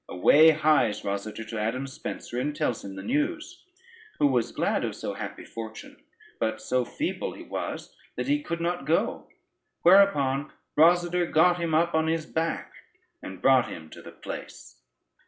Away hies Rosader to Adam Spencer, and tells him the news, who was glad of so happy fortune, but so feeble he was that he could not go; whereupon Rosader got him up on his back, and brought him to the place.